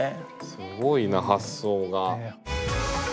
すごいな発想が。